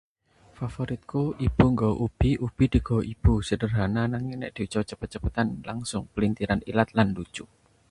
"Favoritku: ""Ibu nggawa ubi, ubi digawa ibu."" Sederhana, nanging nek diucap cepet-cepetan langsung pelintiran ilat lan lucu."